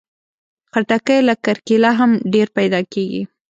خټکی له کرکيله هم ډېر پیدا کېږي.